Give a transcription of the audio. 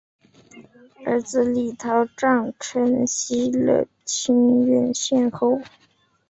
儿子李桃杖承袭了清渊县侯。